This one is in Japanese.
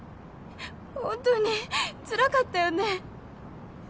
本当につらかったよね。